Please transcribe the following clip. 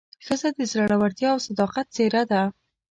ښځه د زړورتیا او صداقت څېره ده.